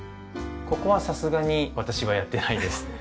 ここはさすがに私はやってないです。